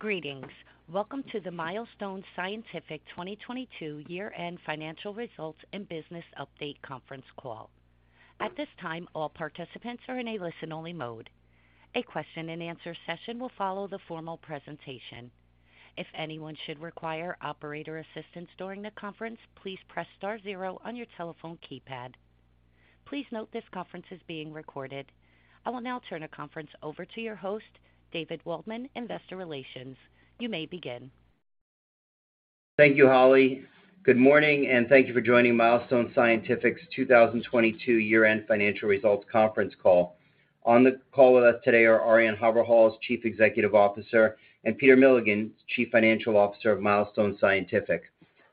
Greetings. Welcome to the Milestone Scientific 2022 year-end financial results and business update conference call. At this time, all participants are in a listen-only mode. A question-and-answer session will follow the formal presentation. If anyone should require operator assistance during the conference, please press star zero on your telephone keypad. Please note this conference is being recorded. I will now turn the conference over to your host, David Waldman, Investor Relations. You may begin. Thank you, Holly. Good morning, and thank you for joining Milestone Scientific's 2022 year-end financial results conference call. On the call with us today are Arjan Haverhals, Chief Executive Officer, and Peter Milligan, Chief Financial Officer of Milestone Scientific.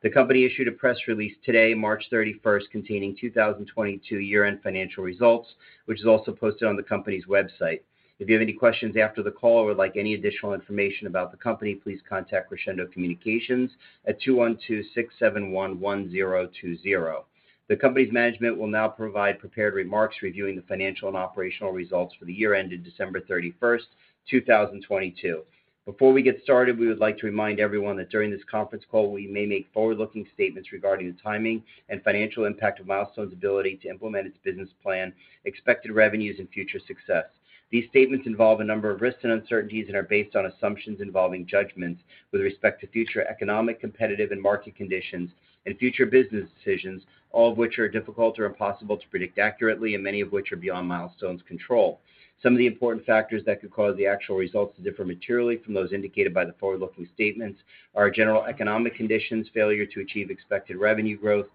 The company issued a press release today, March 31st, containing 2022 year-end financial results, which is also posted on the company's website. If you have any questions after the call or would like any additional information about the company, please contact Crescendo Communications at 212-671-1020. The company's management will now provide prepared remarks reviewing the financial and operational results for the year ended December 31st, 2022. Before we get started, we would like to remind everyone that during this conference call, we may make forward-looking statements regarding the timing and financial impact of Milestone's ability to implement its business plan, expected revenues, and future success. These statements involve a number of risks and uncertainties and are based on assumptions involving judgments with respect to future economic, competitive, and market conditions and future business decisions, all of which are difficult or impossible to predict accurately and many of which are beyond Milestone's control. Some of the important factors that could cause the actual results to differ materially from those indicated by the forward-looking statements are general economic conditions, failure to achieve expected revenue growth,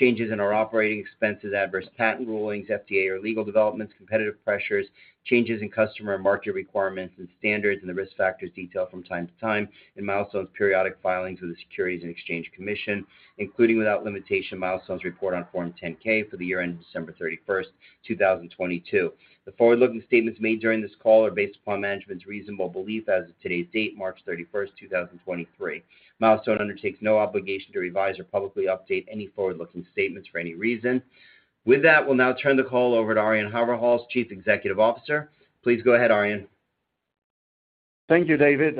changes in our operating expenses, adverse patent rulings, FDA or legal developments, competitive pressures, changes in customer market requirements and standards, and the risk factors detailed from time to time in Milestone's periodic filings with the Securities and Exchange Commission, including, without limitation, Milestone's report on Form 10-K for the year ended December 31st, 2022. The forward-looking statements made during this call are based upon management's reasonable belief as of today's date, March 31st, 2023. Milestone undertakes no obligation to revise or publicly update any forward-looking statements for any reason. With that, we'll now turn the call over to Arjan Haverhals, Chief Executive Officer. Please go ahead, Arjan. Thank you, David,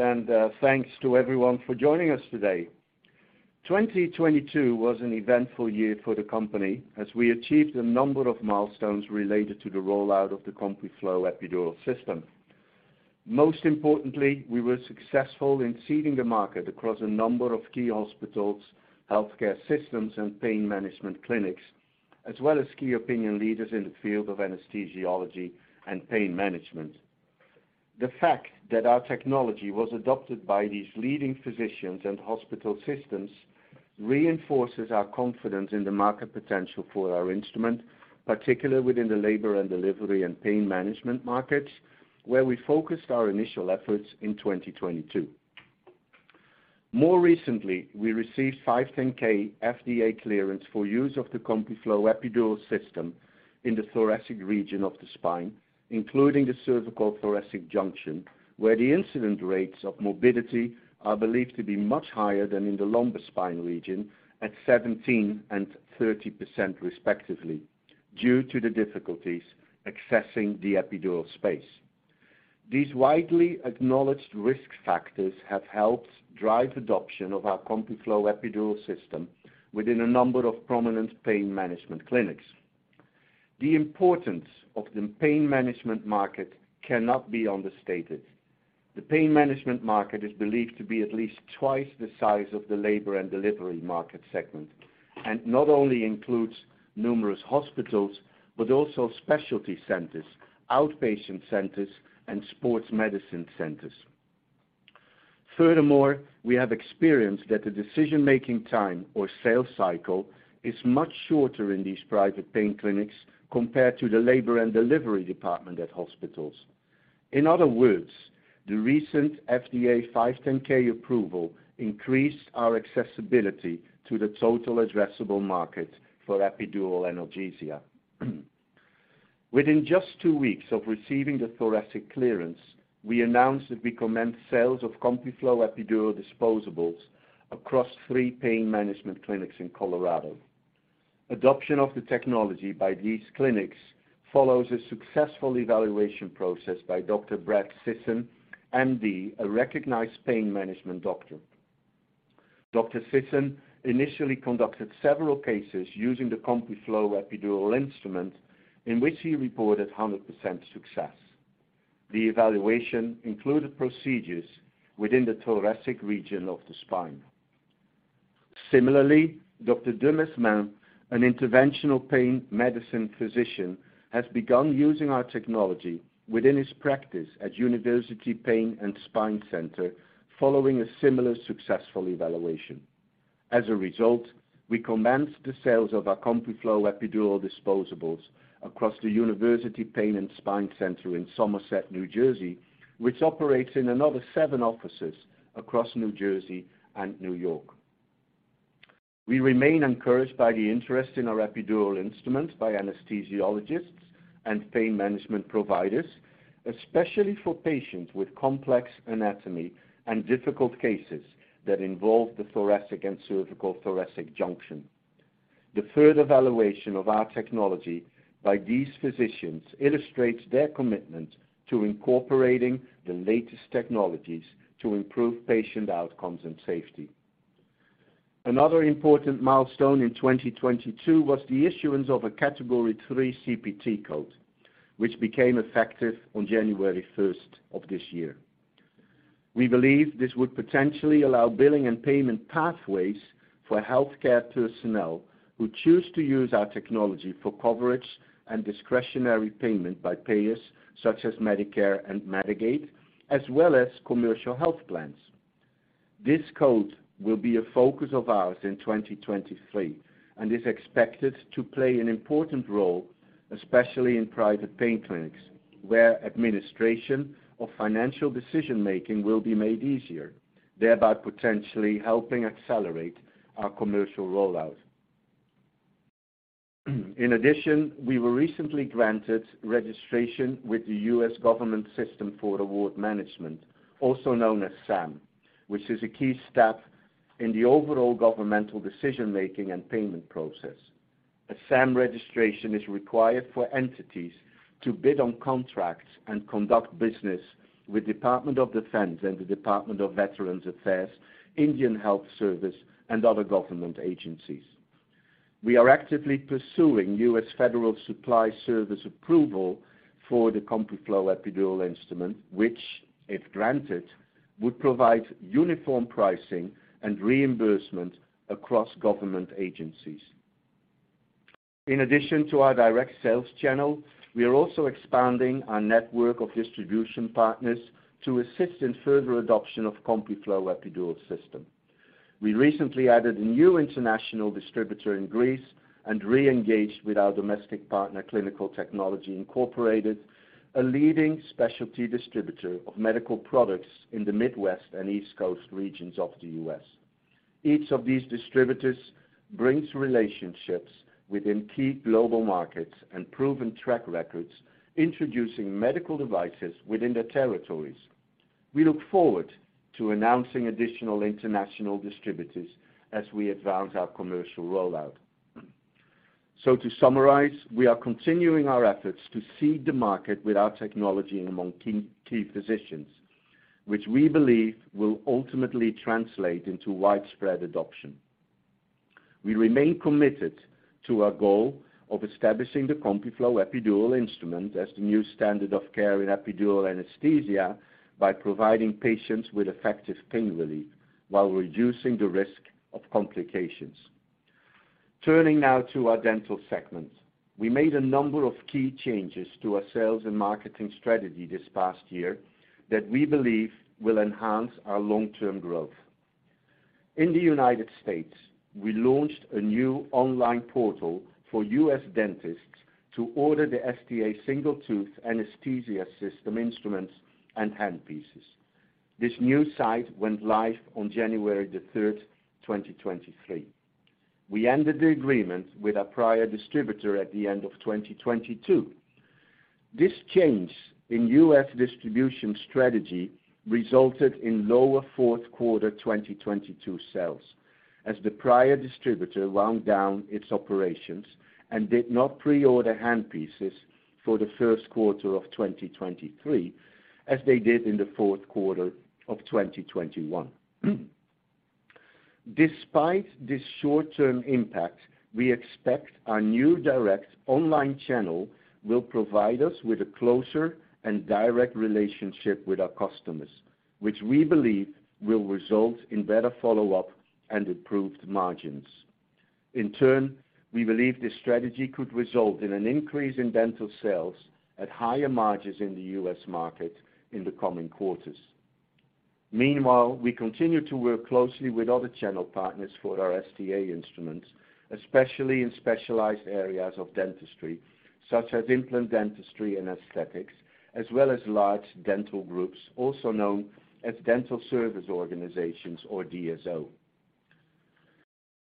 thanks to everyone for joining us today. 2022 was an eventful year for the company as we achieved a number of milestones related to the rollout of the CompuFlo epidural system. Most importantly, we were successful in seeding the market across a number of key hospitals, healthcare systems, and pain management clinics, as well as key opinion leaders in the field of anesthesiology and pain management. The fact that our technology was adopted by these leading physicians and hospital systems reinforces our confidence in the market potential for our instrument, particularly within the labor and delivery and pain management markets, where we focused our initial efforts in 2022. More recently, we received 510(k) FDA clearance for use of the CompuFlo epidural system in the thoracic region of the spine, including the cervicothoracic junction, where the incident rates of morbidity are believed to be much higher than in the lumbar spine region at 17% and 30% respectively due to the difficulties accessing the epidural space. These widely acknowledged risk factors have helped drive adoption of our CompuFlo epidural system within a number of prominent pain management clinics. The importance of the pain management market cannot be understated. The pain management market is believed to be at least twice the size of the labor and delivery market segment and not only includes numerous hospitals, but also specialty centers, outpatient centers, and sports medicine centers. We have experienced that the decision-making time or sales cycle is much shorter in these private pain clinics compared to the labor and delivery department at hospitals. In other words, the recent FDA 510(k) approval increased our accessibility to the total addressable market for epidural analgesia. Within just two weeks of receiving the thoracic clearance, we announced that we commenced sales of CompuFlo epidural disposables across three pain management clinics in Colorado. Adoption of the technology by these clinics follows a successful evaluation process by Dr. Brad Sisson, MD, a recognized pain management doctor. Dr. Sisson initially conducted several cases using the CompuFlo epidural instrument in which he reported 100% success. The evaluation included procedures within the thoracic region of the spine. Similarly, Dr. De Mesma, an interventional pain medicine physician, has begun using our technology within his practice at University Pain and Spine Center following a similar successful evaluation. As a result, we commenced the sales of our CompuFlo epidural disposables across the University Pain and Spine Center in Somerset, New Jersey, which operates in another 7 offices across New Jersey and New York. We remain encouraged by the interest in our epidural instruments by anesthesiologists and pain management providers, especially for patients with complex anatomy and difficult cases that involve the thoracic and cervicothoracic junction. The further valuation of our technology by these physicians illustrates their commitment to incorporating the latest technologies to improve patient outcomes and safety. Another important milestone in 2022 was the issuance of a Category III CPT code, which became effective on January 1st of this year. We believe this would potentially allow billing and payment pathways for healthcare personnel who choose to use our technology for coverage and discretionary payment by payers such as Medicare and Medicaid, as well as commercial health plans. This code will be a focus of ours in 2023, and is expected to play an important role, especially in private pain clinics, where administration of financial decision-making will be made easier, thereby potentially helping accelerate our commercial rollout. In addition, we were recently granted registration with the U.S. Government System for Award Management, also known as SAM, which is a key step in the overall governmental decision-making and payment process. A SAM registration is required for entities to bid on contracts and conduct business with Department of Defense and the Department of Veterans Affairs, Indian Health Service, and other government agencies. We are actively pursuing U.S. Federal Supply Schedule approval for the CompuFlo epidural instrument, which, if granted, would provide uniform pricing and reimbursement across government agencies. In addition to our direct sales channel, we are also expanding our network of distribution partners to assist in further adoption of CompuFlo epidural system. We recently added a new international distributor in Greece and re-engaged with our domestic partner, Clinical Technology, Inc., a leading specialty distributor of medical products in the Midwest and East Coast regions of the U.S. Each of these distributors brings relationships within key global markets and proven track records, introducing medical devices within their territories. We look forward to announcing additional international distributors as we advance our commercial rollout. To summarize, we are continuing our efforts to seed the market with our technology among key physicians, which we believe will ultimately translate into widespread adoption. We remain committed to our goal of establishing the CompuFlo epidural instrument as the new standard of care in epidural anesthesia by providing patients with effective pain relief while reducing the risk of complications. Turning now to our dental segment. We made a number of key changes to our sales and marketing strategy this past year that we believe will enhance our long-term growth. In the United States, we launched a new online portal for U.S. dentists to order the STA Single Tooth Anesthesia System instruments and handpieces. This new site went live on January 3rd, 2023. We ended the agreement with our prior distributor at the end of 2022. This change in U.S. distribution strategy resulted in lower fourth quarter 2022 sales, as the prior distributor wound down its operations and did not pre-order handpieces for the first quarter of 2023, as they did in the fourth quarter of 2021. Despite this short-term impact, we expect our new direct online channel will provide us with a closer and direct relationship with our customers, which we believe will result in better follow-up and improved margins. In turn, we believe this strategy could result in an increase in dental sales at higher margins in the U.S. market in the coming quarters. Meanwhile, we continue to work closely with other channel partners for our STA instruments, especially in specialized areas of dentistry, such as implant dentistry and aesthetics, as well as large dental groups, also known as dental service organizations or DSO.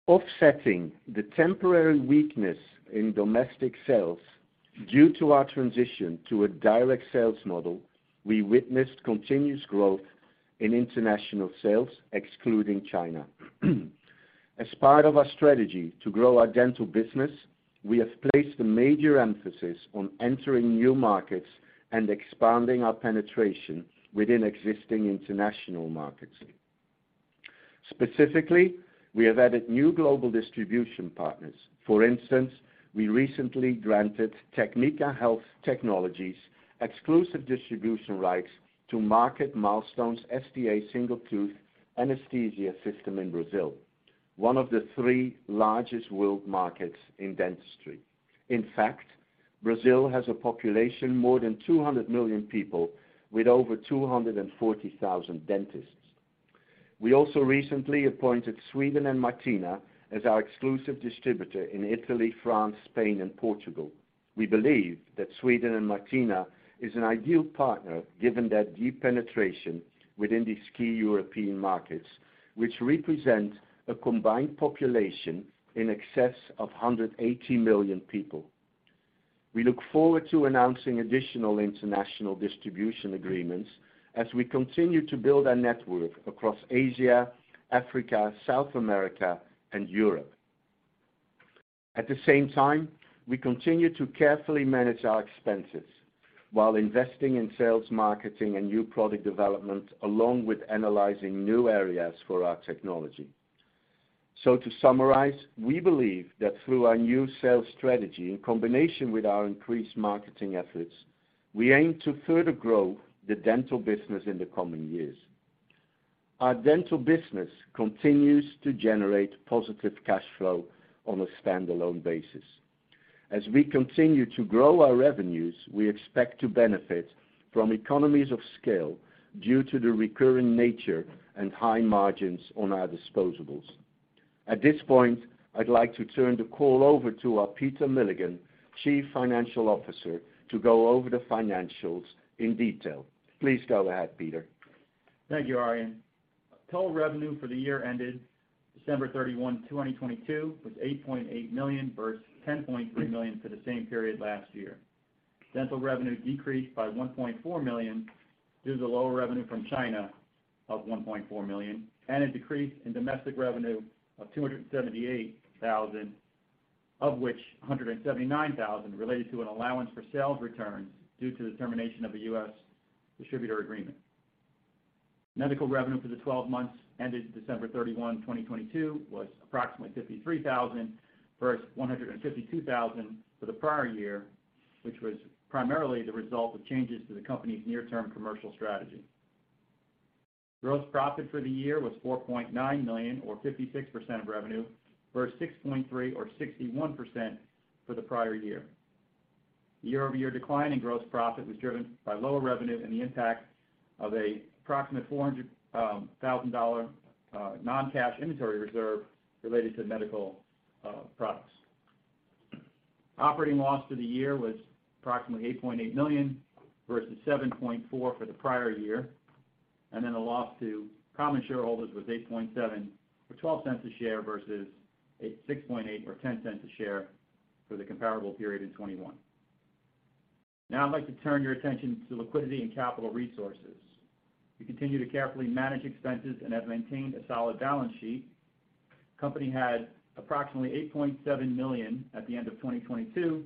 Offsetting the temporary weakness in domestic sales due to our transition to a direct sales model, we witnessed continuous growth in international sales, excluding China. As part of our strategy to grow our dental business, we have placed a major emphasis on entering new markets and expanding our penetration within existing international markets. Specifically, we have added new global distribution partners. For instance, we recently granted TEKMIKA Health Technologies exclusive distribution rights to market Milestone's STA Single Tooth Anesthesia System in Brazil, one of the three largest world markets in dentistry. In fact, Brazil has a population more than 200 million people with over 240,000 dentists. We also recently appointed Sweden & Martina as our exclusive distributor in Italy, France, Spain, and Portugal. We believe that Sweden & Martina is an ideal partner given their deep penetration within these key European markets, which represent a combined population in excess of 180 million people. We look forward to announcing additional international distribution agreements as we continue to build our network across Asia, Africa, South America, and Europe. At the same time, we continue to carefully manage our expenses while investing in sales, marketing, and new product development, along with analyzing new areas for our technology. To summarize, we believe that through our new sales strategy, in combination with our increased marketing efforts, we aim to further grow the dental business in the coming years. Our dental business continues to generate positive cash flow on a standalone basis. As we continue to grow our revenues, we expect to benefit from economies of scale due to the recurring nature and high margins on our disposables. At this point, I'd like to turn the call over to our Peter Milligan, Chief Financial Officer, to go over the financials in detail. Please go ahead, Peter. Thank you, Arjan. Total revenue for the year ended December 31, 2022 was $8.8 million versus $10.3 million for the same period last year. Dental revenue decreased by $1.4 million due to the lower revenue from China of $1.4 million and a decrease in domestic revenue of $278,000, of which $179,000 related to an allowance for sales returns due to the termination of a U.S. distributor agreement. Medical revenue for the 12 months ended December 31, 2022 was approximately $53,000 versus $152,000 for the prior year, which was primarily the result of changes to the company's near-term commercial strategy. Gross profit for the year was $4.9 million, or 56% of revenue, versus $6.3 million or 61% for the prior year. Year-over-year decline in gross profit was driven by lower revenue and the impact of an approximate $400,000 non-cash inventory reserve related to medical products. Operating loss for the year was approximately $8.8 million versus $7.4 million for the prior year. The loss to common shareholders was $8.7 million or $0.12 a share versus $6.8 million or $0.10 a share for the comparable period in 2021. Now I'd like to turn your attention to liquidity and capital resources. We continue to carefully manage expenses and have maintained a solid balance sheet. Company had approximately $8.7 million at the end of 2022.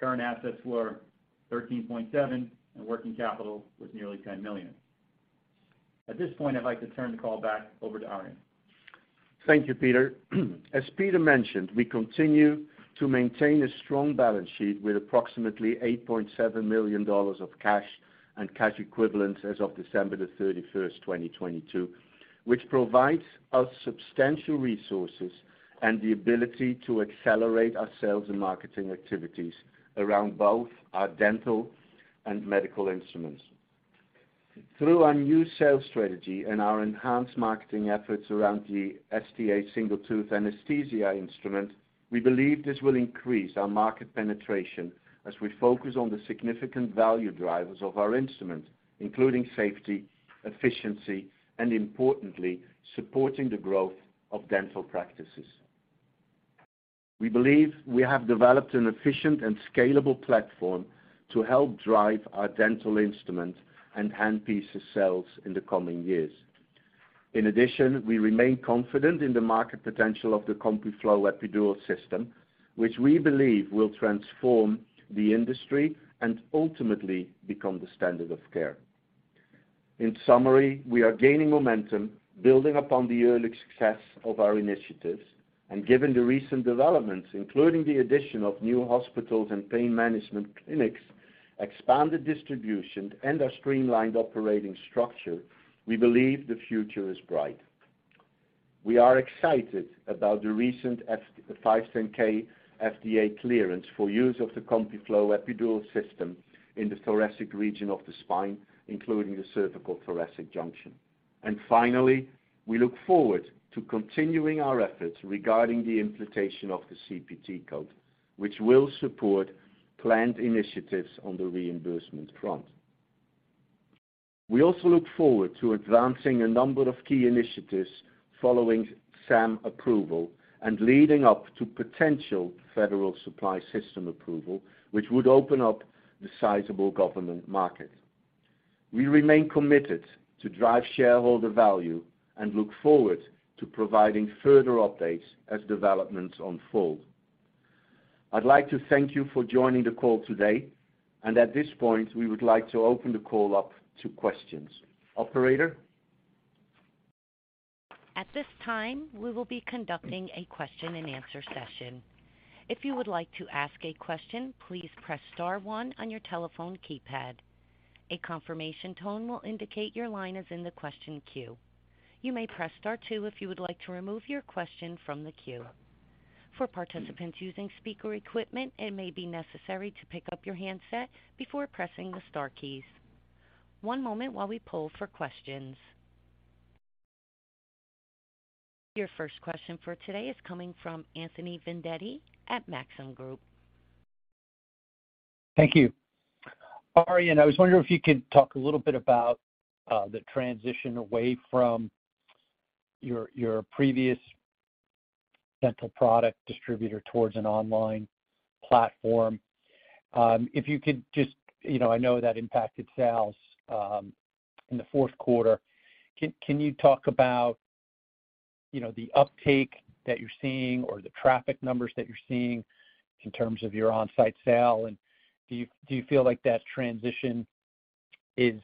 Current assets were $13.7 million, working capital was nearly $10 million. At this point, I'd like to turn the call back over to Arjan. Thank you, Peter. As Peter mentioned, we continue to maintain a strong balance sheet with approximately $8.7 million of cash and cash equivalents as of December 31st, 2022, which provides us substantial resources and the ability to accelerate our sales and marketing activities around both our dental and medical instruments. Through our new sales strategy and our enhanced marketing efforts around the STA Single Tooth Anesthesia instrument, we believe this will increase our market penetration as we focus on the significant value drivers of our instrument, including safety, efficiency, and importantly, supporting the growth of dental practices. We believe we have developed an efficient and scalable platform to help drive our dental instrument and handpiece sales in the coming years. In addition, we remain confident in the market potential of the CompuFlo epidural system, which we believe will transform the industry and ultimately become the standard of care. In summary, we are gaining momentum, building upon the early success of our initiatives. Given the recent developments, including the addition of new hospitals and pain management clinics, expanded distribution, and our streamlined operating structure, we believe the future is bright. We are excited about the recent 510(k) FDA clearance for use of the CompuFlo epidural system in the thoracic region of the spine, including the cervicothoracic junction. Finally, we look forward to continuing our efforts regarding the implementation of the CPT code, which will support planned initiatives on the reimbursement front. We also look forward to advancing a number of key initiatives following SAM approval and leading up to potential Federal Supply Schedule approval, which would open up the sizable government market. We remain committed to drive shareholder value and look forward to providing further updates as developments unfold. I'd like to thank you for joining the call today. At this point, we would like to open the call up to questions. Operator? At this time, we will be conducting a question-and-answer session. If you would like to ask a question, please press star one on your telephone keypad. A confirmation tone will indicate your line is in the question queue. You may press star two if you would like to remove your question from the queue. For participants using speaker equipment, it may be necessary to pick up your handset before pressing the star keys. One moment while we poll for questions. Your first question for today is coming from Anthony Vendetti at Maxim Group. Thank you. Arjan, I was wondering if you could talk a little bit about the transition away from your previous dental product distributor towards an online platform. If you could just, you know, I know that impacted sales in the fourth quarter. Can you talk about, you know, the uptake that you're seeing or the traffic numbers that you're seeing in terms of your on-site sale? Do you feel like that transition is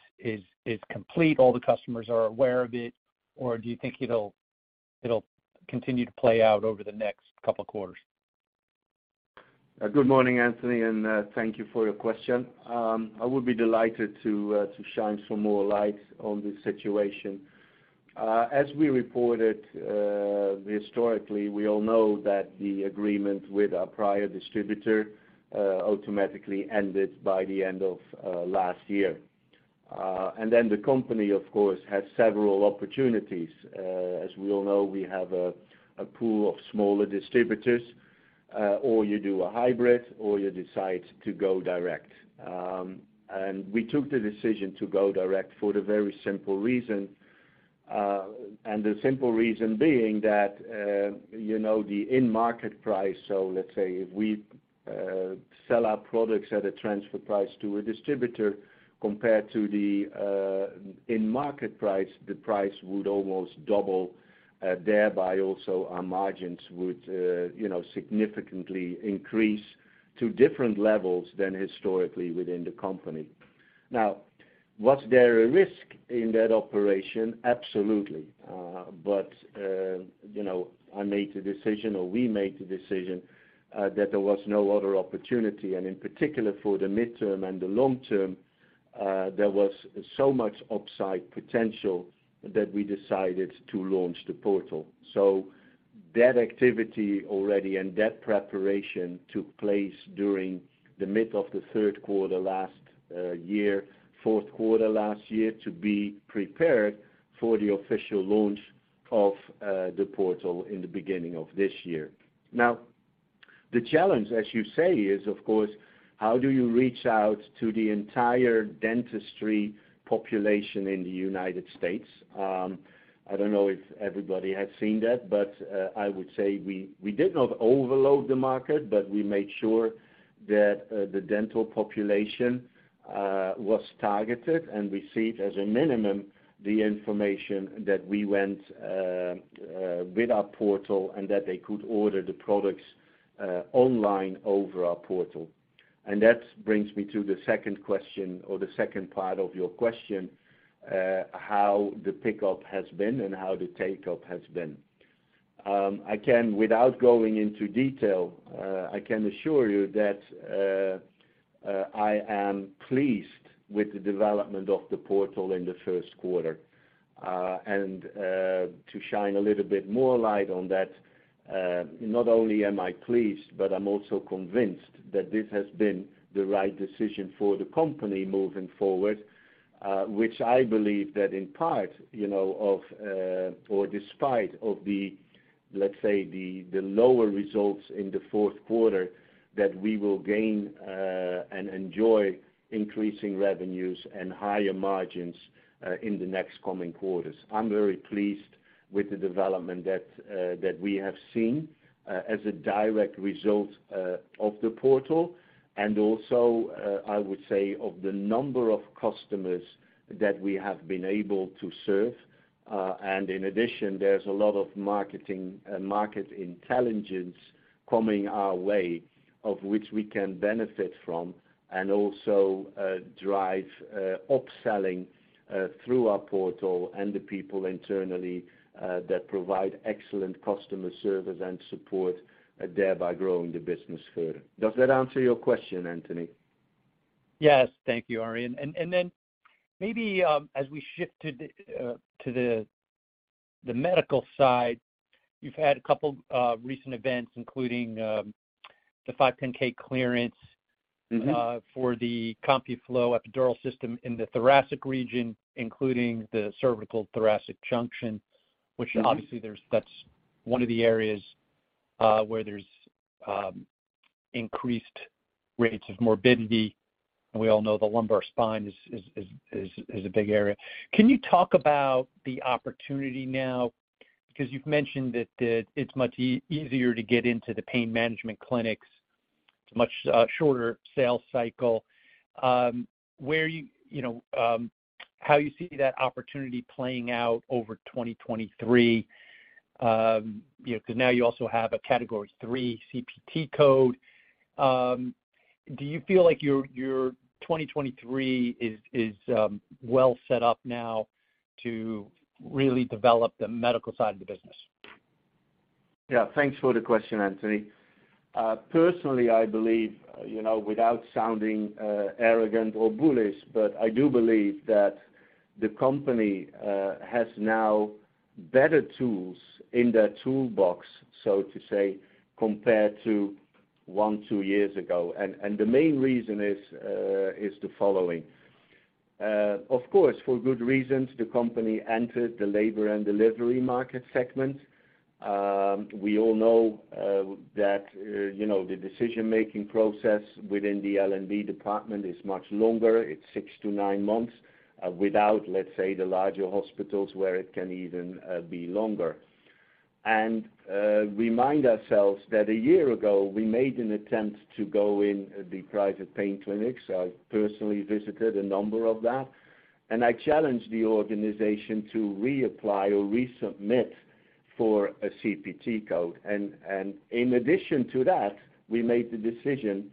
complete, all the customers are aware of it, or do you think it'll continue to play out over the next couple quarters? Good morning, Anthony, and, thank you for your question. I would be delighted to shine some more light on this situation. As we reported, historically, we all know that the agreement with our prior distributor, automatically ended by the end of, last year. The company, of course, had several opportunities. As we all know, we have a pool of smaller distributors, or you do a hybrid, or you decide to go direct. We took the decision to go direct for the very simple reason, and the simple reason being that, you know, the in-market price, so let's say if we sell our products at a transfer price to a distributor compared to the in-market price, the price would almost double, thereby also our margins would, you know, significantly increase to different levels than historically within the company. Now, was there a risk in that operation? Absolutely. But, you know, I made the decision, or we made the decision that there was no other opportunity, and in particular for the midterm and the long term, there was so much upside potential that we decided to launch the portal. That activity already and that preparation took place during the mid of the 3rd quarter last year, 4th quarter last year, to be prepared for the official launch of the portal in the beginning of this year. The challenge, as you say, is, of course, how do you reach out to the entire dentistry population in the United States? I don't know if everybody has seen that, but I would say we did not overload the market, but we made sure that the dental population was targeted and received, as a minimum, the information that we went with our portal and that they could order the products online over our portal. That brings me to the 2nd question or the 2nd part of your question, how the pickup has been and how the take-up has been. I can, without going into detail, I can assure you that I am pleased with the development of the portal in the first quarter. To shine a little bit more light on that, not only am I pleased, but I'm also convinced that this has been the right decision for the company moving forward, which I believe that in part, you know, or despite of the, let's say, the lower results in the fourth quarter, that we will gain and enjoy increasing revenues and higher margins in the next coming quarters. I'm very pleased with the development that we have seen as a direct result of the portal, and also, I would say of the number of customers that we have been able to serve. In addition, there's a lot of marketing, market intelligence coming our way of which we can benefit from and also, drive, upselling, through our portal and the people internally, that provide excellent customer service and support, thereby growing the business further. Does that answer your question, Anthony? Yes. Thank you, Arjan. Then maybe, as we shift to the medical side, you've had a couple recent events, including the 510(k) clearance... Mm-hmm... for the CompuFlo epidural system in the thoracic region, including the cervicothoracic junction. Mm-hmm... which obviously there's, that's one of the areas where there's increased rates of morbidity. We all know the lumbar spine is a big area. Can you talk about the opportunity now? Because you've mentioned that it's much easier to get into the pain management clinics. It's much shorter sales cycle. Where are you know, how you see that opportunity playing out over 2023, you know, 'cause now you also have a Category III CPT code. Do you feel like your 2023 is well set up now to really develop the medical side of the business? Yeah. Thanks for the question, Anthony. Personally, I believe, you know, without sounding arrogant or bullish, but I do believe that the company has now better tools in their toolbox, so to say, compared to 1, 2 years ago. The main reason is the following. Of course, for good reasons, the company entered the labor and delivery market segment. We all know that, you know, the decision-making process within the L&D department is much longer. It's 6 to 9 months, without, let's say, the larger hospitals where it can even be longer. Remind ourselves that 1 year ago, we made an attempt to go in the private pain clinics. I personally visited a number of that, and I challenged the organization to reapply or resubmit for a CPT code. In addition to that, we made the decision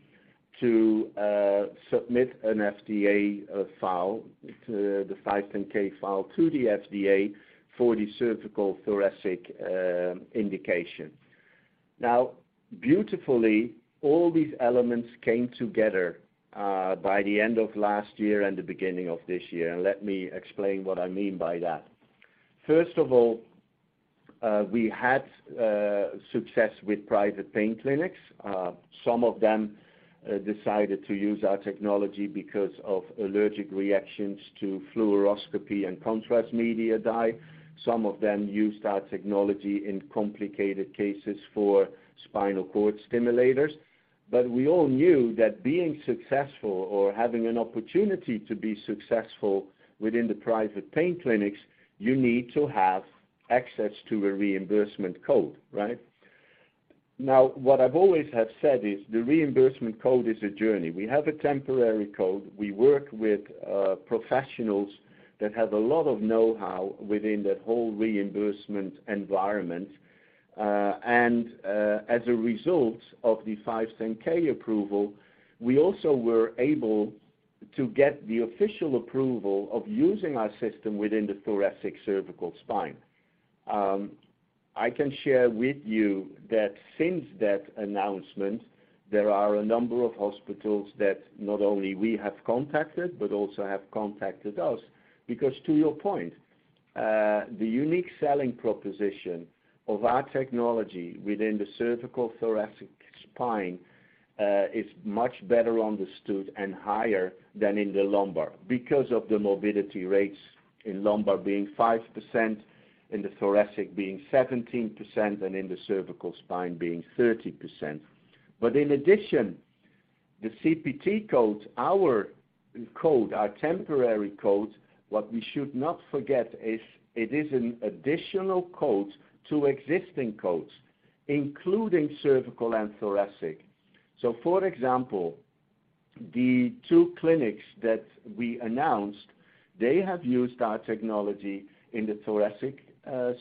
to submit an FDA 510(k) file to the FDA for the cervicothoracic indication. Now, beautifully, all these elements came together by the end of last year and the beginning of this year. Let me explain what I mean by that. First of all, we had success with private pain clinics. Some of them decided to use our technology because of allergic reactions to fluoroscopy and contrast media dye. Some of them used our technology in complicated cases for spinal cord stimulators. We all knew that being successful or having an opportunity to be successful within the private pain clinics, you need to have access to a reimbursement code, right? Now, what I've always have said is the reimbursement code is a journey. We have a temporary code. We work with professionals that have a lot of know-how within that whole reimbursement environment. As a result of the 510(k) approval, we also were able to get the official approval of using our system within the thoracic cervical spine. I can share with you that since that announcement, there are a number of hospitals that not only we have contacted, but also have contacted us. To your point, the unique selling proposition of our technology within the cervical thoracic spine is much better understood and higher than in the lumbar because of the morbidity rates in lumbar being 5%, in the thoracic being 17%, and in the cervical spine being 30%. In addition, the CPT codes, our code, our temporary codes, what we should not forget is it is an additional code to existing codes, including cervical and thoracic. For example, the two clinics that we announced, they have used our technology in the thoracic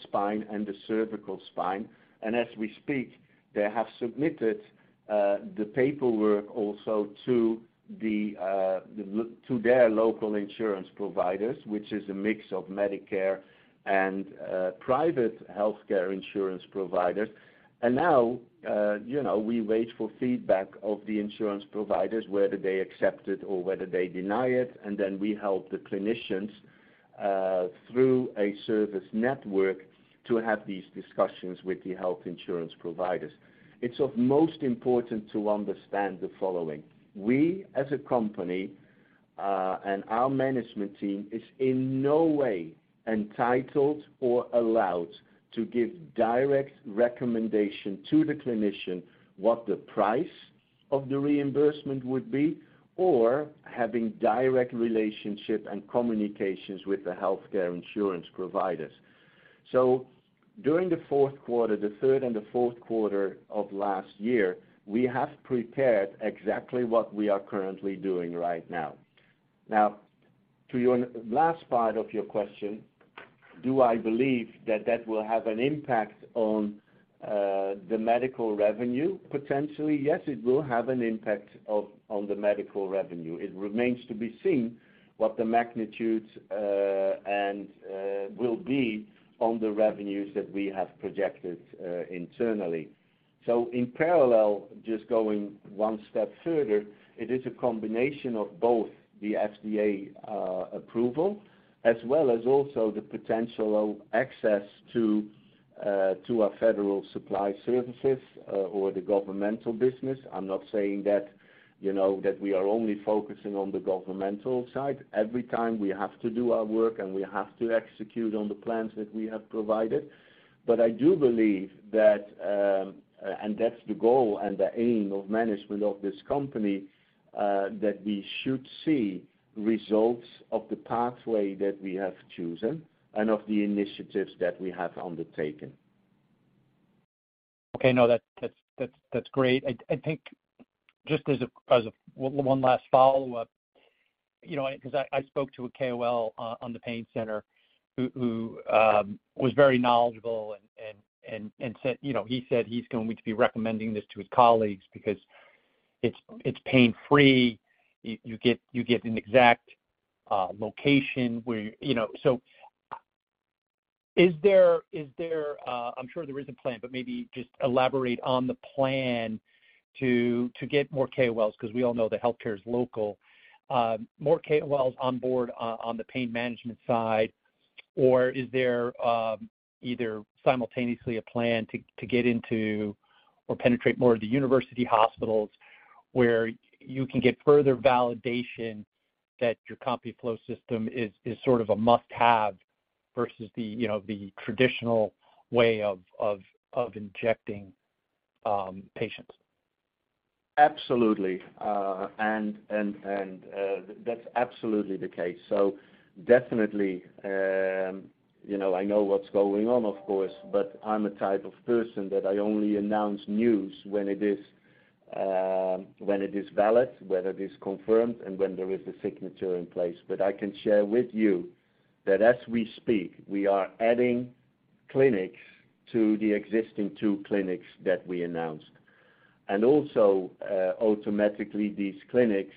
spine and the cervical spine. As we speak, they have submitted the paperwork also to their local insurance providers, which is a mix of Medicare and private healthcare insurance providers. Now, you know, we wait for feedback of the insurance providers, whether they accept it or whether they deny it, and then we help the clinicians through a service network to have these discussions with the health insurance providers. It's of most important to understand the following. We, as a company, and our management team, is in no way entitled or allowed to give direct recommendation to the clinician what the price of the reimbursement would be, or having direct relationship and communications with the healthcare insurance providers. During the fourth quarter, the third and the fourth quarter of last year, we have prepared exactly what we are currently doing right now. To your Last part of your question, do I believe that that will have an impact on the medical revenue? Potentially, yes, it will have an impact on the medical revenue. It remains to be seen what the magnitudes and will be on the revenues that we have projected internally. In parallel, just going one step further, it is a combination of both the FDA approval as well as also the potential of access to to our Federal Supply services or the governmental business. I'm not saying that, you know, that we are only focusing on the governmental side. Every time we have to do our work and we have to execute on the plans that we have provided. I do believe that, and that's the goal and the aim of management of this company, that we should see results of the pathway that we have chosen and of the initiatives that we have undertaken. Okay. No, that's great. I think just as a one last follow-up, you know, 'cause I spoke to a KOL on the pain center who was very knowledgeable and said, you know, he said he's going to be recommending this to his colleagues because it's pain-free. You get an exact location where... You know, is there, I'm sure there is a plan, but maybe just elaborate on the plan to get more KOLs, 'cause we all know that healthcare is local, more KOLs on board on the pain management side, or is there either simultaneously a plan to get into or penetrate more of the university hospitals where you can get further validation that your CompuFlo system is sort of a must-have versus the, you know, the traditional way of injecting patients? Absolutely. That's absolutely the case. Definitely, you know, I know what's going on, of course, but I'm a type of person that I only announce news when it is valid, when it is confirmed, and when there is a signature in place. I can share with you that as we speak, we are adding clinics to the existing 2 clinics that we announced. Also, automatically, these clinics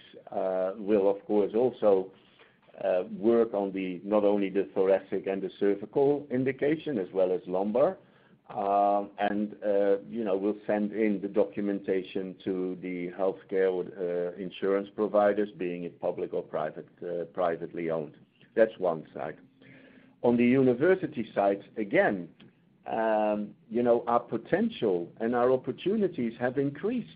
will of course also work on the, not only the thoracic and the cervical indication, as well as lumbar. You know, we'll send in the documentation to the healthcare with insurance providers being it public or private, privately owned. That's one side. On the university side, again, you know, our potential and our opportunities have increased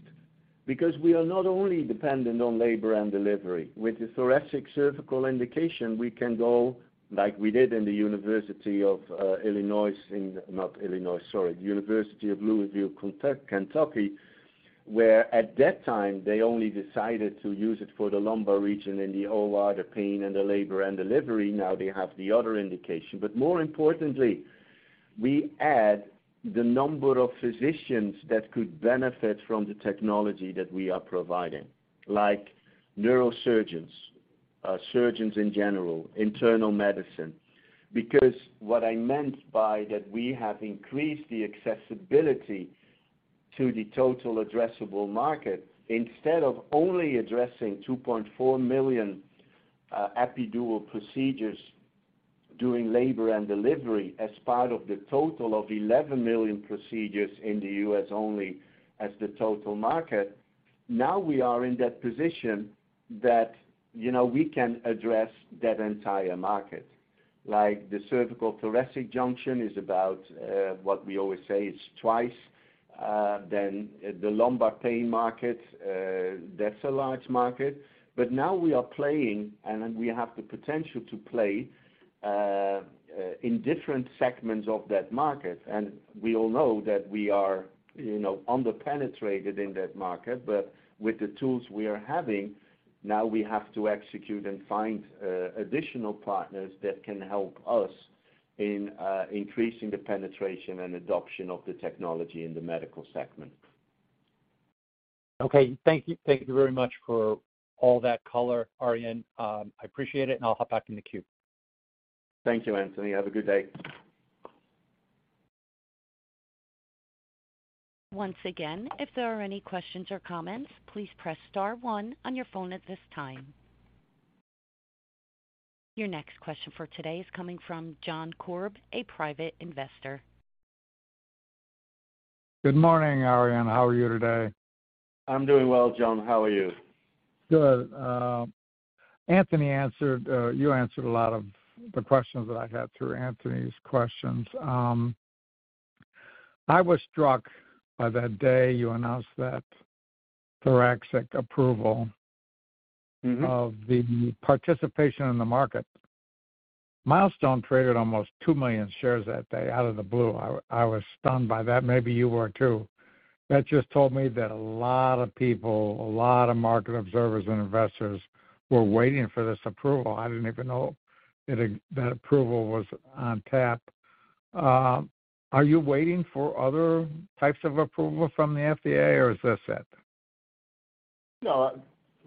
because we are not only dependent on labor and delivery. With the thoracic cervical indication, we can go like we did in the University of Louisville, Kentucky, where at that time, they only decided to use it for the lumbar region in the OR, the pain and the labor and delivery. Now they have the other indication. More importantly, we add the number of physicians that could benefit from the technology that we are providing, like neurosurgeons, surgeons in general, internal medicine. What I meant by that we have increased the accessibility to the total addressable market. Instead of only addressing 2.4 million epidural procedures during labor and delivery as part of the total of 11 million procedures in the U.S. only as the total market, now we are in that position that, you know, we can address that entire market. Like, the cervicothoracic junction is about what we always say, it's twice than the lumbar pain market. That's a large market. Now we are playing, and we have the potential to play in different segments of that market. We all know that we are, you know, under-penetrated in that market. With the tools we are having, now we have to execute and find additional partners that can help us in increasing the penetration and adoption of the technology in the medical segment. Okay. Thank you. Thank you very much for all that color, Arjan. I appreciate it, and I'll hop back in the queue. Thank you, Anthony. Have a good day. Once again, if there are any questions or comments, please press star one on your phone at this time. Your next question for today is coming from John Korb, a private investor. Good morning, Arjan. How are you today? I'm doing well, John. How are you? Good. Anthony answered, you answered a lot of the questions that I had through Anthony's questions. I was struck by that day you announced that thoracic approval- Mm-hmm... of the participation in the market. Milestone traded almost 2 million shares that day out of the blue. I was stunned by that. Maybe you were, too. That just told me that a lot of people, a lot of market observers and investors were waiting for this approval. I didn't even know that approval was on tap. Are you waiting for other types of approval from the FDA, or is this it?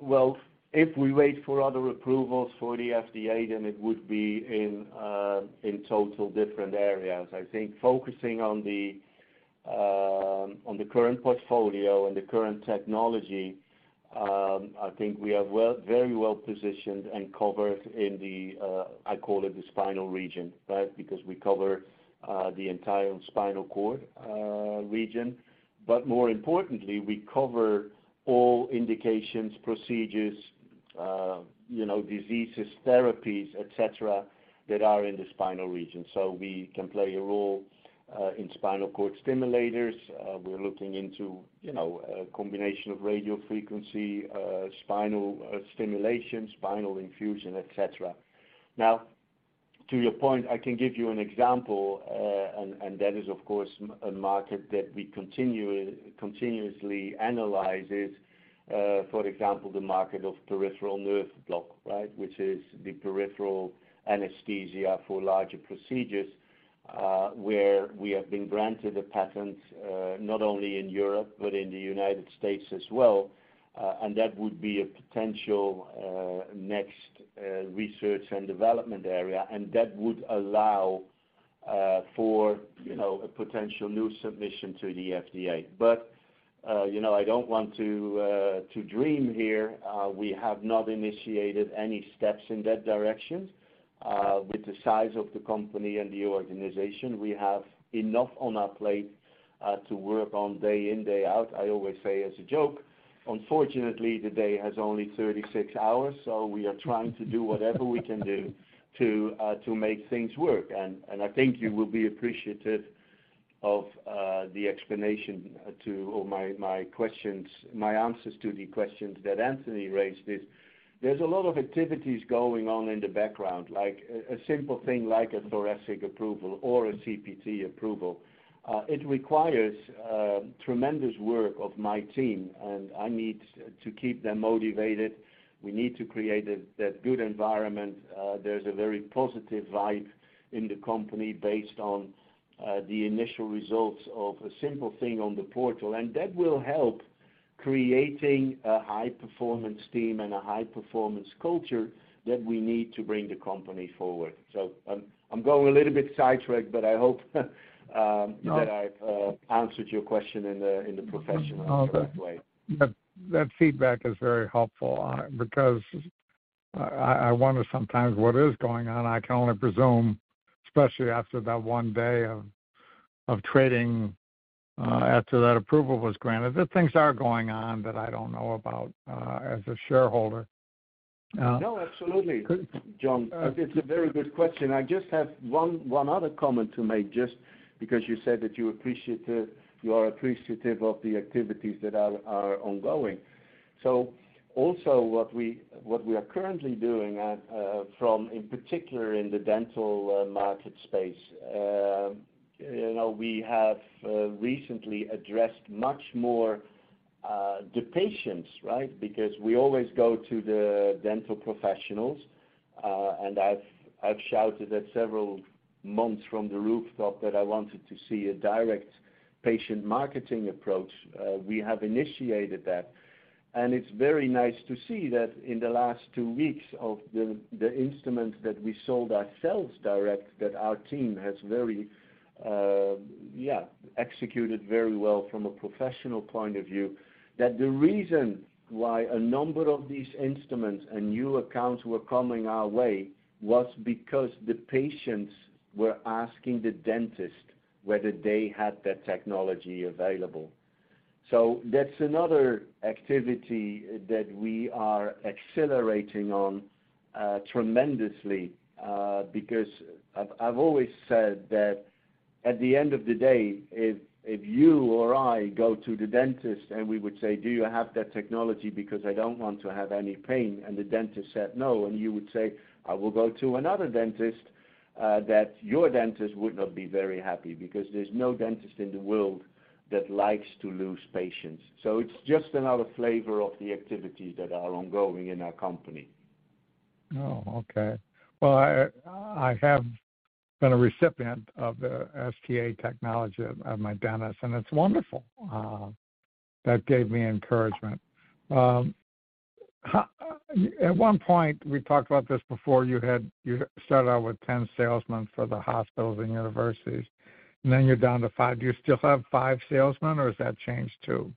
Well, if we wait for other approvals for the FDA, then it would be in total different areas. I think focusing on the current portfolio and the current technology, I think we are very well-positioned and covered in the, I call it the spinal region, right? We cover the entire spinal cord region. More importantly, we cover all indications, procedures, you know, diseases, therapies, et cetera, that are in the spinal region. We can play a role in spinal cord stimulators. We're looking into, you know, a combination of radiofrequency, spinal stimulation, spinal infusion, et cetera. To your point, I can give you an example, and that is, of course, a market that we continuously analyzes. For example, the market of peripheral nerve block, right? Which is the peripheral anesthesia for larger procedures, where we have been granted a patent, not only in Europe, but in the United States as well. That would be a potential next research and development area, and that would allow for, you know, a potential new submission to the FDA. You know, I don't want to to dream here. We have not initiated any steps in that direction. With the size of the company and the organization, we have enough on our plate to work on day in, day out. I always say as a joke, unfortunately, the day has only 36 hours, so we are trying to do whatever we can do to make things work. I think you will be appreciative of the explanation to all my questions, my answers to the questions that Anthony raised is, there's a lot of activities going on in the background, like a simple thing like a thoracic approval or a CPT approval. It requires tremendous work of my team, and I need to keep them motivated. We need to create that good environment. There's a very positive vibe in the company based on the initial results of a simple thing on the portal. That will help creating a high-performance team and a high-performance culture that we need to bring the company forward. I'm going a little bit sidetracked, but I hope. No. that I've answered your question in a, in a professional way. Okay. That feedback is very helpful, because I wonder sometimes what is going on. I can only presume, especially after that one day of trading, after that approval was granted, that things are going on that I don't know about, as a shareholder. No, absolutely. Could- John, it's a very good question. I just have one other comment to make, just because you said that you appreciate the, you are appreciative of the activities that are ongoing. Also what we are currently doing from, in particular in the dental market space, you know, we have recently addressed much more the patients, right? Because we always go to the dental professionals. And I've shouted that several months from the rooftop that I wanted to see a direct patient marketing approach. We have initiated that. It's very nice to see that in the last 2 weeks of the instruments that we sold ourselves direct, that our team has very, yeah, executed very well from a professional point of view. The reason why a number of these instruments and new accounts were coming our way was because the patients were asking the dentist whether they had that technology available. That's another activity that we are accelerating on tremendously because I've always said that at the end of the day, if you or I go to the dentist and we would say, "Do you have that technology? Because I don't want to have any pain." The dentist said, no, and you would say, "I will go to another dentist," that your dentist would not be very happy, because there's no dentist in the world that likes to lose patients. It's just another flavor of the activities that are ongoing in our company. Okay. Well, I have been a recipient of the STA technology at my dentist, and it's wonderful. That gave me encouragement. At one point, we talked about this before, you started out with 10 salesmen for the hospitals and universities, and then you're down to five. Do you still have five salesmen, or has that changed, too?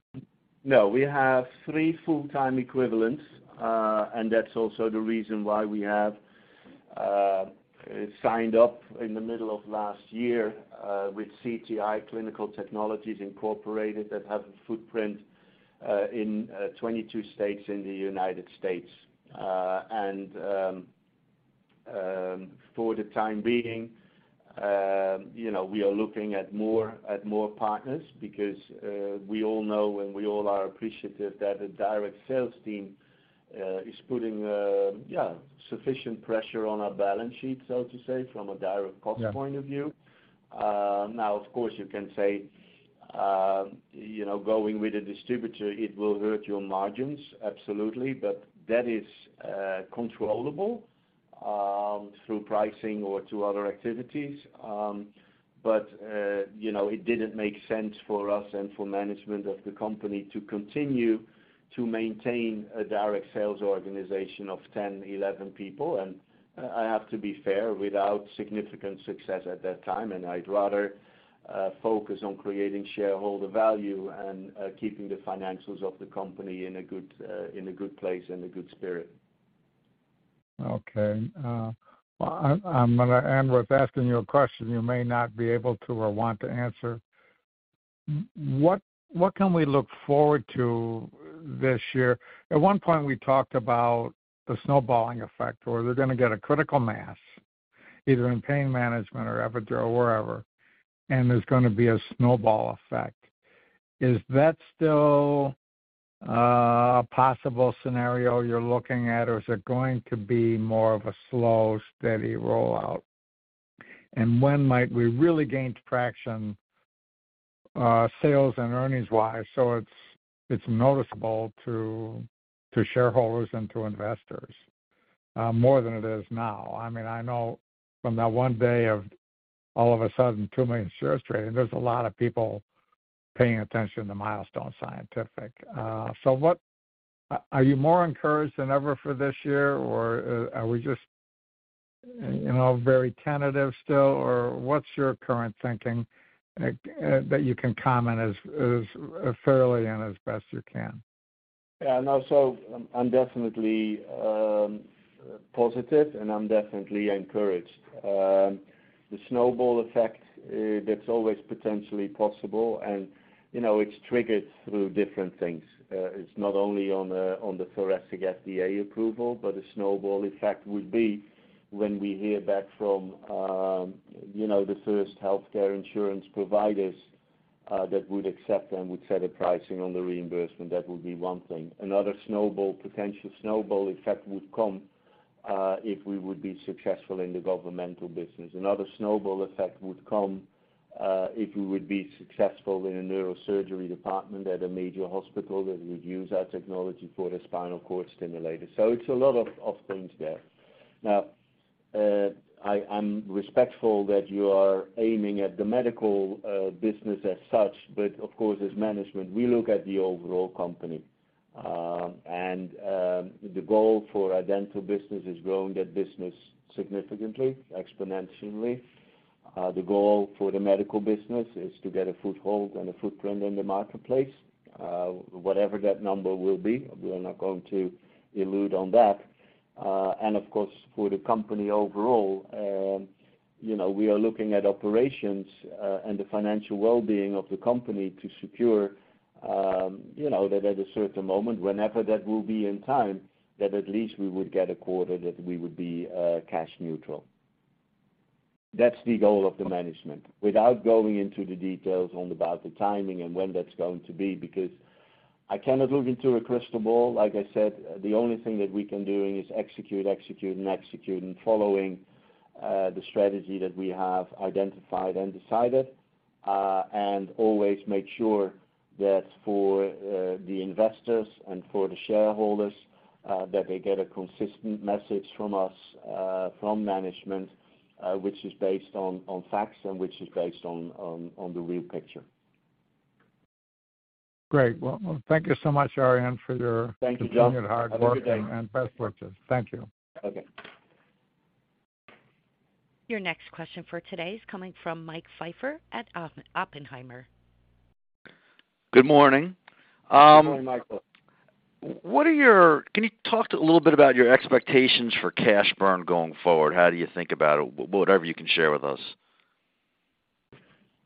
No, we have three full-time equivalents. That's also the reason why we have signed up in the middle of last year with CTI, Clinical Technology, Inc., that have a footprint in 22 states in the United States. For the time being, you know, we are looking at more partners because we all know, and we all are appreciative that the direct sales team is putting, yeah, sufficient pressure on our balance sheet, so to say, from a direct cost point of view. Yeah. Now, of course, you can say, you know, going with a distributor, it will hurt your margins, absolutely. That is controllable through pricing or to other activities. You know, it didn't make sense for us and for management of the company to continue to maintain a direct sales organization of 10, 11 people. I have to be fair, without significant success at that time, I'd rather focus on creating shareholder value and keeping the financials of the company in a good, in a good place and a good spirit. Okay. Well, I'm gonna end with asking you a question you may not be able to or want to answer. What can we look forward to this year? At one point, we talked about the snowballing effect, where they're gonna get a critical mass, either in pain management or epidural, wherever, and there's gonna be a snowball effect. Is that still a possible scenario you're looking at, or is it going to be more of a slow, steady rollout? When might we really gain traction, sales and earnings-wise, so it's noticeable to shareholders and to investors, more than it is now? I mean, I know from that one day of all of a sudden 2 million shares trading, there's a lot of people paying attention to Milestone Scientific. So what... Are you more encouraged than ever for this year, or, are we just, you know, very tentative still? What's your current thinking that you can comment as fairly and as best you can? Yeah, no. I'm definitely positive, and I'm definitely encouraged. The snowball effect that's always potentially possible. You know, it's triggered through different things. It's not only on the thoracic FDA approval, but a snowball effect would be when we hear back from, you know, the first healthcare insurance providers that would accept and would set a pricing on the reimbursement. That would be one thing. Another potential snowball effect would come if we would be successful in the governmental business. Another snowball effect would come if we would be successful in a neurosurgery department at a major hospital that would use our technology for a spinal cord stimulator. It's a lot of things there. Now, I'm respectful that you are aiming at the medical business as such, of course, as management, we look at the overall company. The goal for our dental business is growing that business significantly, exponentially. The goal for the medical business is to get a foothold and a footprint in the marketplace, whatever that number will be. We are not going to elude on that. Of course, for the company overall, you know, we are looking at operations and the financial well-being of the company to secure, you know, that at a certain moment, whenever that will be in time, that at least we would get a quarter that we would be cash neutral. That's the goal of the management, without going into the details on about the timing and when that's going to be, because I cannot look into a crystal ball. Like I said, the only thing that we can do is execute, and execute, and following the strategy that we have identified and decided. Always make sure that for the investors and for the shareholders that they get a consistent message from us, from management, which is based on facts and which is based on the real picture. Great. Well, thank you so much, Arjan. Thank you, Jeff. continued hard work. Have a good day.... and best wishes. Thank you. Okay. Your next question for today is coming from Mike Pfeffer at Oppenheimer. Good morning. Good morning, Michael. Can you talk to a little bit about your expectations for cash burn going forward? How do you think about it? Whatever you can share with us.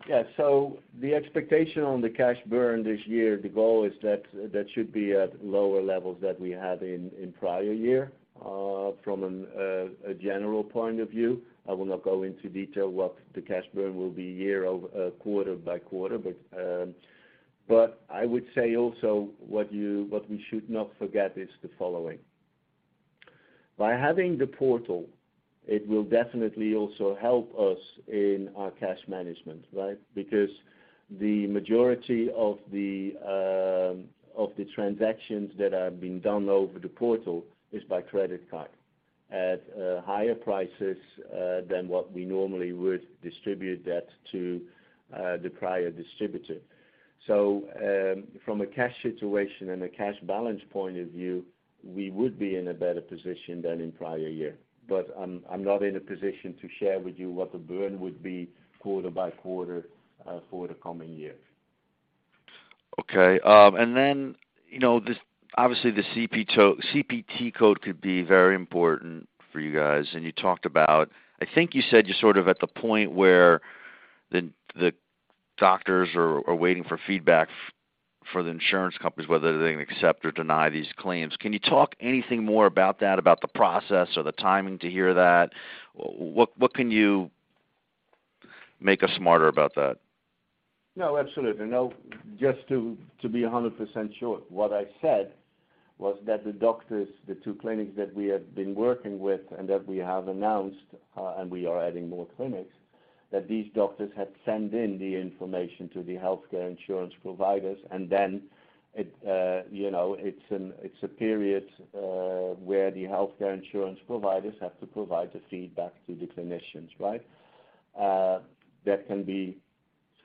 Yeah. The expectation on the cash burn this year, the goal is that that should be at lower levels that we had in prior year from a general point of view. I will not go into detail what the cash burn will be year over quarter by quarter. I would say also what you, what we should not forget is the following. By having the portal, it will definitely also help us in our cash management, right? Because the majority of the transactions that are being done over the portal is by credit card at higher prices than what we normally would distribute that to the prior distributor. From a cash situation and a cash balance point of view, we would be in a better position than in prior year. I'm not in a position to share with you what the burn would be quarter by quarter for the coming years. Okay. Then, you know, this, obviously, the CPT code could be very important for you guys, and you talked about. I think you said you're sort of at the point where the doctors are waiting for feedback from the insurance companies, whether they accept or deny these claims. Can you talk anything more about that, about the process or the timing to hear that? What can you make us smarter about that? No, absolutely. No, just to be 100% sure. What I said was that the doctors, the two clinics that we have been working with and that we have announced, and we are adding more clinics, that these doctors had sent in the information to the healthcare insurance providers. It, you know, it's an, it's a period, where the healthcare insurance providers have to provide the feedback to the clinicians, right? That can be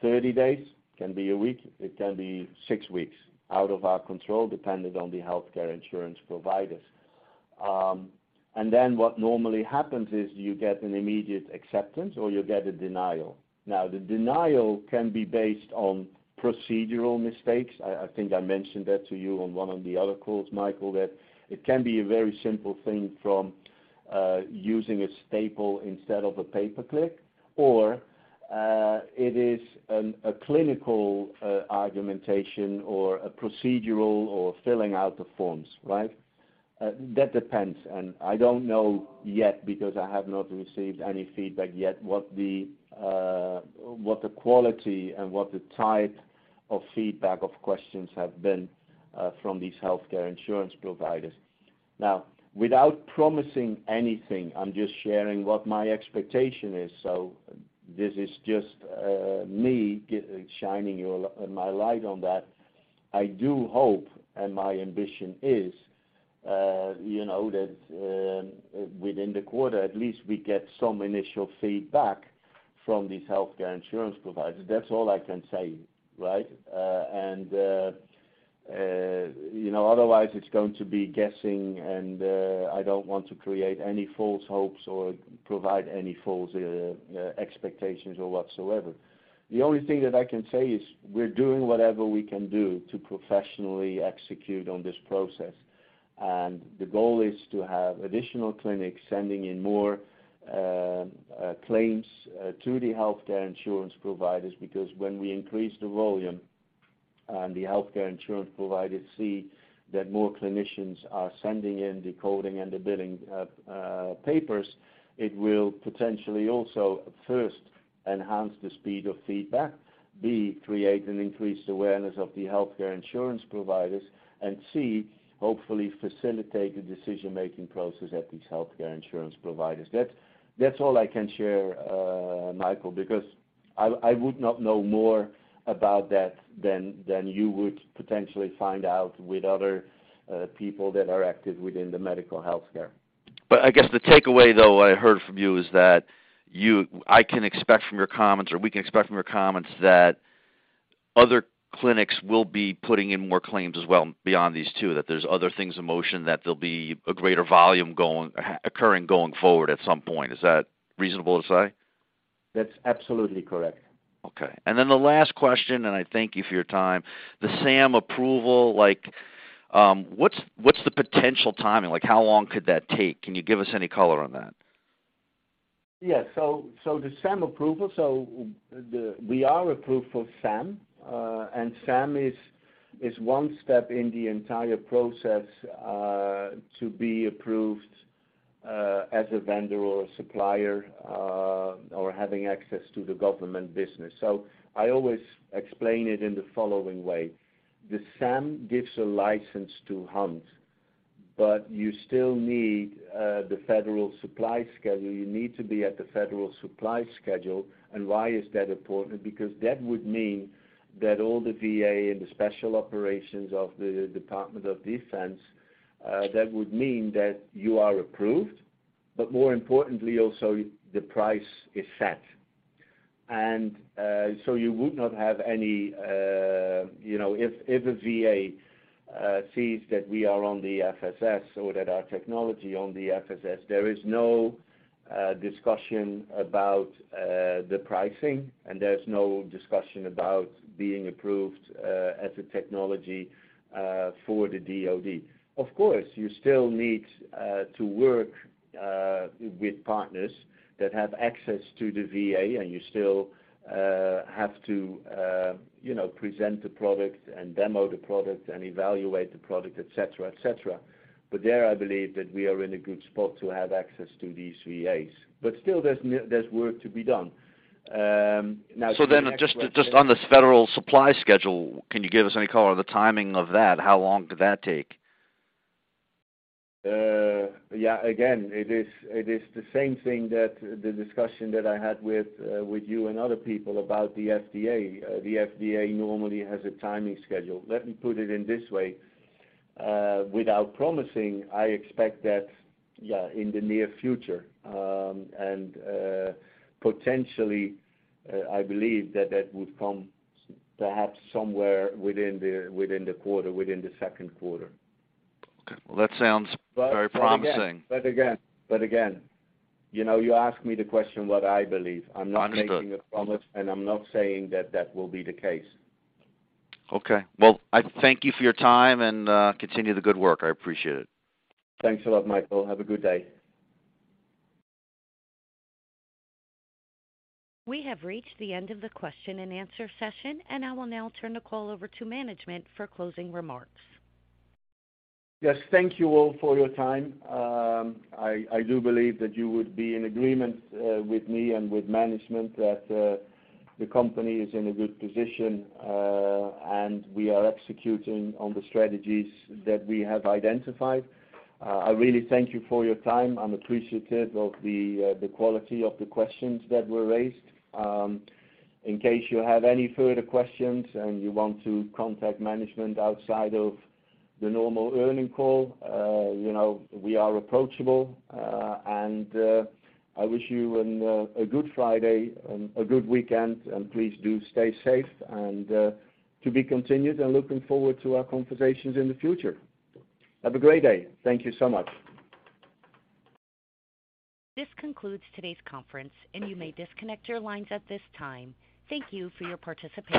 30 days, can be a week, it can be six weeks, out of our control, dependent on the healthcare insurance providers. What normally happens is you get an immediate acceptance or you get a denial. Now, the denial can be based on procedural mistakes. I think I mentioned that to you on one of the other calls, Mike Pfeffer, that it can be a very simple thing from using a staple instead of a paperclip, or it is a clinical argumentation or a procedural or filling out the forms, right? That depends. I don't know yet because I have not received any feedback yet what the quality and what the type of feedback of questions have been from these healthcare insurance providers. Without promising anything, I'm just sharing what my expectation is. This is just me shining my light on that. I do hope, and my ambition is, you know, that within the quarter at least we get some initial feedback from these healthcare insurance providers. That's all I can say, right? You know, otherwise it's going to be guessing and, I don't want to create any false hopes or provide any false expectations or whatsoever. The only thing that I can say is we're doing whatever we can do to professionally execute on this process. The goal is to have additional clinics sending in more claims to the healthcare insurance providers, because when we increase the volume, the healthcare insurance providers see that more clinicians are sending in the coding and the billing papers. It will potentially also, first, enhance the speed of feedback. B, create an increased awareness of the healthcare insurance providers. C, hopefully facilitate the decision-making process at these healthcare insurance providers. That's all I can share, Mike Pfeffer, because I would not know more about that than you would potentially find out with other people that are active within the medical healthcare. I guess the takeaway, though, I heard from you, is that I can expect from your comments or we can expect from your comments that other clinics will be putting in more claims as well beyond these two, that there's other things in motion, that there'll be a greater volume occurring going forward at some point. Is that reasonable to say? That's absolutely correct. The last question. I thank you for your time. The SAM approval, like, what's the potential timing? Like, how long could that take? Can you give us any color on that? Yes. The SAM approval, we are approved for SAM, and SAM is one step in the entire process to be approved as a vendor or a supplier or having access to the government business. I always explain it in the following way. The SAM gives a license to hunt, but you still need the Federal Supply Schedule. You need to be at the Federal Supply Schedule. Why is that important? That would mean that all the VA and the special operations of the Department of Defense, that would mean that you are approved, but more importantly, also the price is set. And, uh, so you would not have any, uh, you know, if, if a VA, uh, sees that we are on the FSS or that our technology on the FSS, there is no, uh, discussion about, uh, the pricing and there's no discussion about being approved, uh, as a technology, uh, for the DoD. Of course, you still need, uh, to work, uh, with partners that have access to the VA, and you still, uh, have to, uh, you know, present the product and demo the product and evaluate the product, et cetera, et cetera. But there, I believe that we are in a good spot to have access to these VAs. But still there's ne- there's work to be done. Um, now- Just on this Federal Supply Schedule, can you give us any color on the timing of that? How long could that take? Yeah, again, it is the same thing that the discussion that I had with you and other people about the FDA. The FDA normally has a timing schedule. Let me put it in this way, without promising, I expect that, yeah, in the near future, and potentially, I believe that that would come perhaps somewhere within the quarter, within the second quarter. Okay. Well, that sounds very promising. Again, you know, you asked me the question what I believe. I'm not making a promise, and I'm not saying that that will be the case. Okay. Well, I thank you for your time, and continue the good work. I appreciate it. Thanks a lot, Michael. Have a good day. We have reached the end of the question and answer session. I will now turn the call over to management for closing remarks. Yes, thank you all for your time. I do believe that you would be in agreement with me and with management that the company is in a good position, and we are executing on the strategies that we have identified. I really thank you for your time. I'm appreciative of the quality of the questions that were raised. In case you have any further questions and you want to contact management outside of the normal earning call, you know, we are approachable. I wish you an a Good Friday and a good weekend, and please do stay safe and to be continued and looking forward to our conversations in the future. Have a great day. Thank you so much. This concludes today's conference, and you may disconnect your lines at this time. Thank you for your participation.